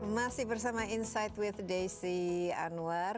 masih bersama insight with desi anwar